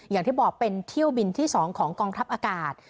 อย่างที่บอกเป็นเที่ยวบินที่๒ของกองทัพอากาศ